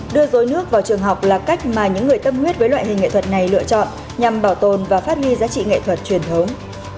đưa rối nước vào trường học là cách mà những người tâm huyết với loại hình nghệ thuật này lựa chọn nhằm bảo tồn và phát huy giá trị nghệ thuật truyền thống